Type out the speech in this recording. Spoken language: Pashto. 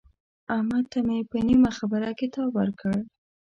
احمد ته مې په نیمه خبره کتاب ورکړ.